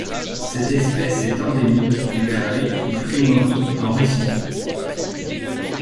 Cette espèce est endémique du kraï du Primorie en Russie.